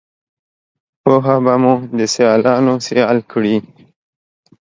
پوهه به مو دسیالانوسیال کړي